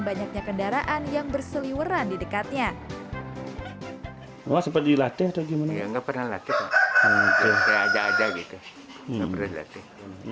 banyaknya kendaraan yang berseliweran di dekatnya oh seperti latih atau gimana nggak pernah laki laki